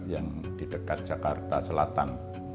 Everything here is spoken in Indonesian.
yang di dekat jakarta selatan